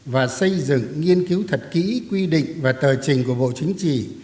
và xây dựng nghiên cứu thật kỹ quy định và tờ trình của bộ chính trị